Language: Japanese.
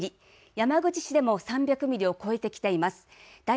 山口市でも３００ミリを超えてきています。